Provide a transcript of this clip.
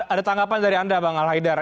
ada tanggapan dari anda bang al haidar